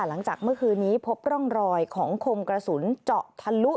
หลังจากเมื่อคืนนี้พบร่องรอยของคมกระสุนเจาะทะลุ